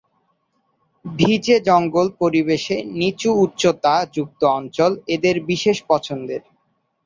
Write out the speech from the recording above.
ভিজে জঙ্গল পরিবেশে নিচু উচ্চতা যুক্ত অঞ্চল এদের বিশেষ পছন্দের।